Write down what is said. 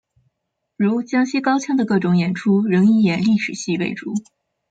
如江西高腔的各种演出仍以演历史戏为主。